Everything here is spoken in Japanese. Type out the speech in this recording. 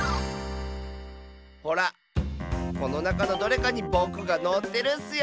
ほらこのなかのどれかにぼくがのってるッスよ。